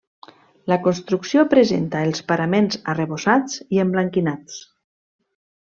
La construcció presenta els paraments arrebossats i emblanquinats.